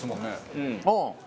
ああ。